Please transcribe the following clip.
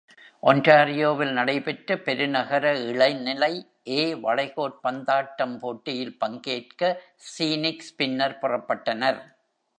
Ontario-வில் நடைபெற்ற பெருநகர இளநிலை A வளைகோற் பந்தாட்டம் போட்டியில் பங்கேற்க Scenics பின்னர் புறப்பட்டனர்.